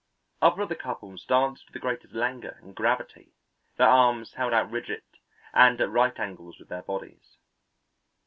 Other of the couples danced with the greatest languor and gravity, their arms held out rigid and at right angles with their bodies.